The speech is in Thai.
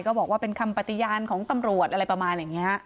บอกว่าเป็นคำปฏิญาณของตำรวจอะไรประมาณอย่างนี้